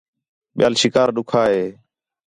ٻِیال شکار ݙُکّھا ہِے